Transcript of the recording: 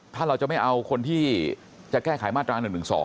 ถ้าเราจะไม่เอาคนที่จะแก้ไขมาตรา๑๑๒